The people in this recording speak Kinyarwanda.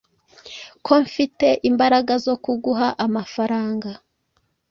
Ko mfite imbaraga zo kuguha, amafaranga